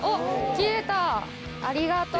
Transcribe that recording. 切れたありがとう。